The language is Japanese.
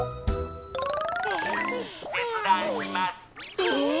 え。